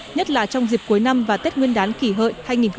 nhất là trong dịp cuối năm và tết nguyên đán kỷ hợi hai nghìn một mươi chín